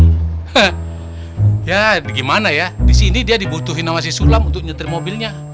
he he ya gimana ya disini dia dibutuhin namanya sulam untuk nyetir mobilnya